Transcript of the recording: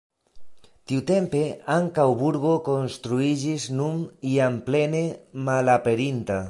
Tiutempe ankaŭ burgo konstruiĝis, nun jam plene malaperinta.